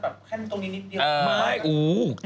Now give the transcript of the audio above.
สมมติเขาอยากตัดแค่ตรงนี้นิดเดียว